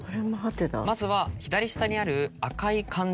まずは左下にある赤い漢字２文字